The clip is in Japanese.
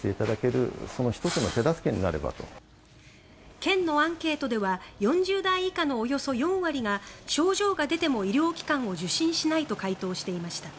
県のアンケートでは４０代以下のおよそ４割が症状が出ても医療機関を受診しないと回答していました。